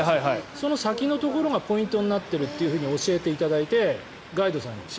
その先のところがポイントになってるって教えていただいてガイドさんに。